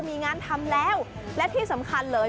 มีงานทำแล้วและที่สำคัญเลย